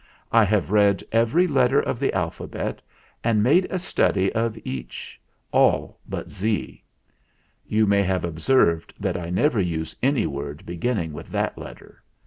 I have read every let ter of the alphabet, and made a study of each all but 'z.' You may have observed that I never use any word beginning with that let ter.